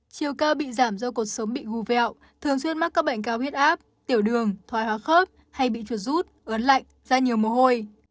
chiều cao bị giảm do cuộc sống bị hù vẹo thường xuyên mắc các bệnh cao huyết áp tiểu đường thoai hóa khớp hay bị chuột rút ớn lạnh ra nhiều mồ hôi